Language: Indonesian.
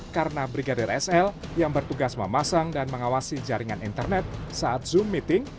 karena brigadir sl yang bertugas memasang dan mengawasi jaringan internet saat zoom meeting